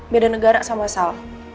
beda negara sama sal